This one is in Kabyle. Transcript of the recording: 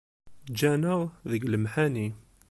Ǧǧan-aɣ deg lemḥani